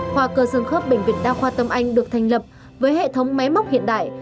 khoa cơ dương khớp bệnh viện đa khoa tâm anh được thành lập với hệ thống máy móc hiện đại